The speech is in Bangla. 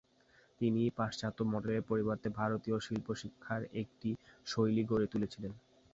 তিনি পাশ্চাত্য মডেলের পরিবর্তে ভারতীয় শিল্প শিক্ষার একটি শৈলী গড়ে তুলেছিলেন।